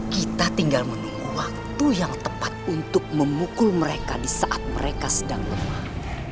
kita tinggal menunggu waktu yang tepat untuk memukul mereka di saat mereka sedang lemah